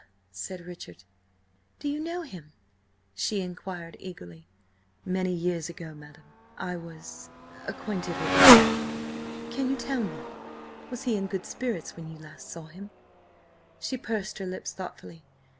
said Richard. "Do you know him?" she inquired eagerly. "Many years ago, madam, I was–acquainted with him. Can you tell me–was he in good spirits when last you saw him?" She pursed her lips thoughtfully.